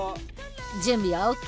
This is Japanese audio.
準備はＯＫ？